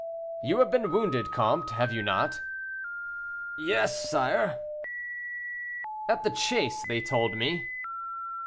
"You have been wounded, comte, have you not?" "Yes, sire." "At the chase, they told me."